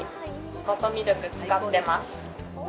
能登ミルク、使ってます。